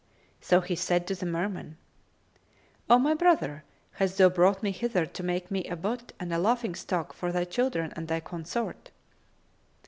So he said to the Merman, "O my brother, hast thou brought me hither to make me a butt and a laughing stock for thy children and thy consort?"